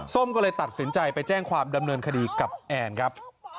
ก็เลยตัดสินใจไปแจ้งความดำเนินคดีกับแอนครับ